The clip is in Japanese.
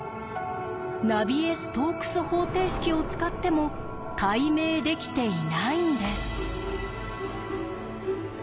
ナビエ・ストークス方程式を使っても解明できていないんです。